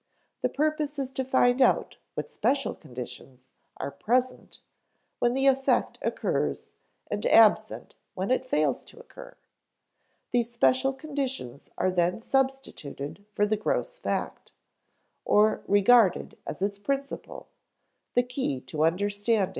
The purpose is to find out what special conditions are present when the effect occurs and absent when it fails to occur. These special conditions are then substituted for the gross fact, or regarded as its principle the key to understanding it.